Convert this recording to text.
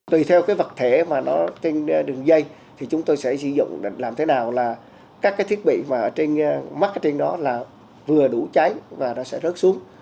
tùy theo cái vật thể mà nó trên đường dây thì chúng tôi sẽ sử dụng làm thế nào là các cái thiết bị mà ở trên mắt trên đó là vừa đủ cháy và nó sẽ rớt xuống